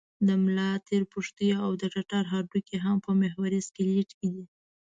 د ملا تیر، پښتۍ او د ټټر هډوکي هم په محوري سکلېټ کې دي.